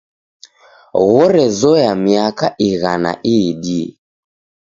Ghorezoya miaka ighana iidie.